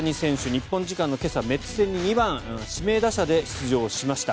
日本時間の今朝メッツ戦に２番指名打者で出場しました。